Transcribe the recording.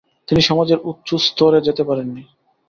তিনি সমাজের উচুস্তরে যেতে পারেননি।